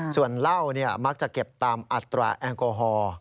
ส่วนเหล้ามักจะเก็บตามอัตราแอลกอฮอล์